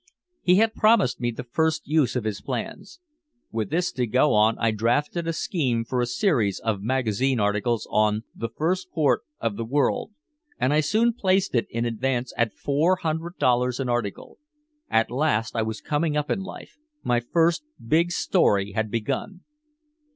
He had promised me the first use of his plans. With this to go on I drafted a scheme for a series of magazine articles on "The First Port of the World," and I soon placed it in advance at four hundred dollars an article. At last I was coming up in life, my first big story had begun!